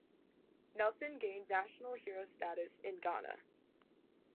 Nelson gained national hero status in Ghana.